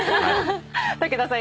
武田さん